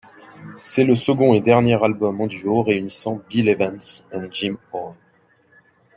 C'est le second et dernier album en duo réunissant Bill Evans et Jim Hall.